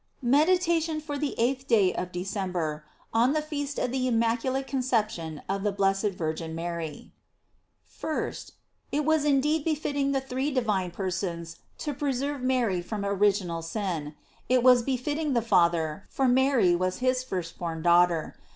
MEDITATION FOB THE EIGHTH DAY OF DECEMBER, On the Feast of the Immaculate Conception of the Blessed Virgin Mary. 1st. IT was indeed befitting the three divine persons to preserve Mary from original sin. It was befitting the Father, for Mary was his first born daughter.